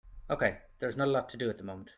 Okay, there is not a lot to do at the moment.